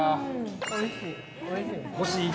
◆おいしい。